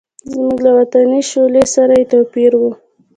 زموږ له وطني شولې سره یې توپیر و.